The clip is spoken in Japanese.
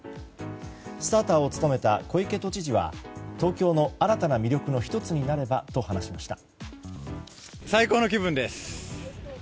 スターターを務めた小池都知事は東京の新たな魅力の１つになればと話しました。